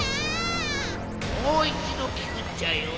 もういちどきくっちゃよ。